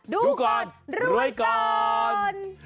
ดูก่อนรวยก่อน